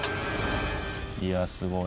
いやぁすごい。